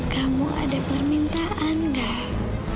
kamu ada permintaan gak